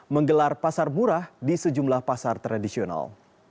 menggelar pasar murah di sejumlah pasar tradisional